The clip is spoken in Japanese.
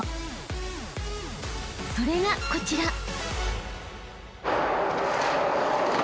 ［それがこちら］